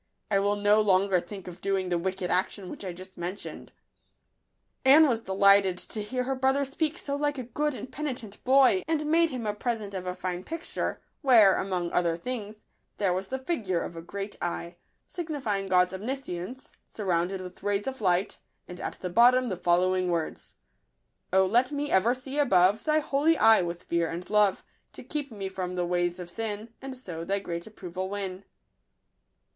I will no longer think of doing the wicked action which I just mentioned." Anne was delighted to hear her brother speak so like a good and penitent boy, and made him a present of a fine picture, where, among other things, there was the figure of a great eye, signifying God's omniscience, surrounded with rays of light, and at the bottom the following words :— O let me ever see above Thy holy eye with fear and love, To keep me from the ways of sin, And so Thy great approval win.